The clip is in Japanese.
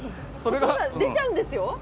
出ちゃうんですよ？